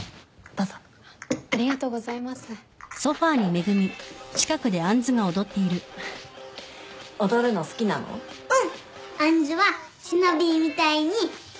うん。